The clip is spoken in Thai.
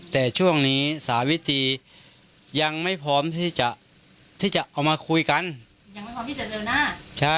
แต่ช่วงนี้สาวิตรียังไม่พร้อมที่จะเอามาคุยกันยังไม่พร้อมที่จะเดินหน้า